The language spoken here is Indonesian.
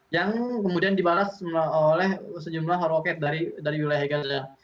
yang kemudian dibalas oleh sejumlah horoket dari wilayah gaza